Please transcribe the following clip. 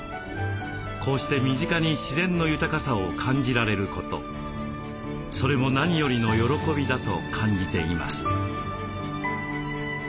こうして身近に自然の豊かさを感じられることそれも何よりの喜びだと感じています。